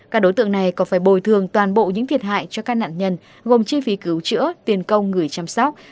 các đối tượng này còn phải bồi thường toàn bộ những thiệt hại cho các nạn nhân gồm chi phí cứu chữa tiền công người chăm sóc